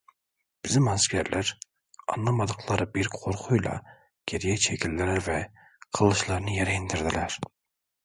Bizim askerler anlamadıkları bir korkuyla geriye çekildiler ve kılıçlarını yere indirdiler.